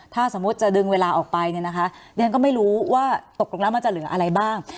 ถ้าสมมุติจะดึงเวลาออกไปเนี่ยนะคะเรียนก็ไม่รู้ว่าตกลงแล้วมันจะเหลืออะไรบ้าง